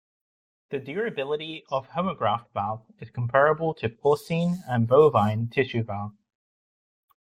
The durability of homograft valves is comparable to porcine and bovine tissue valves.